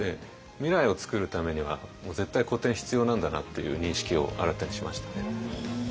未来を作るためには絶対古典必要なんだなっていう認識を新たにしましたね。